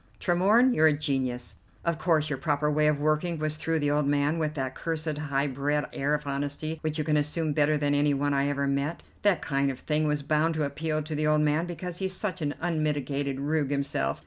Tremorne, you're a genius. Of course your proper way of working was through the old man with that cursed high bred air of honesty which you can assume better than any one I ever met. That kind of thing was bound to appeal to the old man because he's such an unmitigated rogue himself.